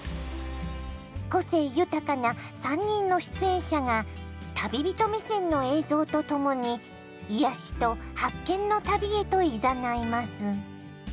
個性豊かな３人の出演者が旅人目線の映像とともに癒やしと発見の旅へといざないます。